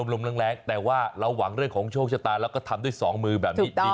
ลมแรงแต่ว่าเราหวังเรื่องของโชคชะตาแล้วก็ทำด้วยสองมือแบบนี้ดี